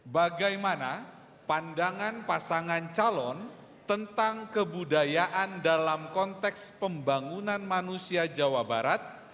bagaimana pandangan pasangan calon tentang kebudayaan dalam konteks pembangunan manusia jawa barat